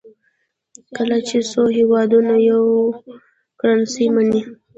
کله چې څو هېوادونه یوه کرنسي مني.